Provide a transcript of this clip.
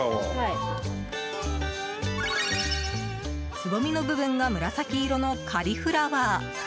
つぼみの部分が紫色のカリフラワー。